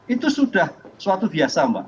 itu sudah suatu biasa mbak